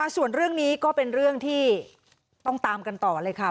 ส่วนเรื่องนี้ก็เป็นเรื่องที่ต้องตามกันต่อเลยค่ะ